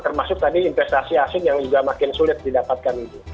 termasuk tadi investasi asing yang juga makin sulit didapatkan